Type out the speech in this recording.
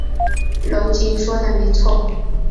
娄敬说的没错。